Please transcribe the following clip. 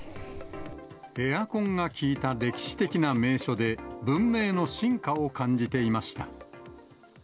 エアコンが効いた歴史的な名所で、文明の進化を感じていました。